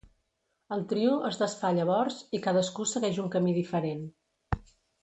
El trio es desfà llavors, i cadascú segueix un camí diferent.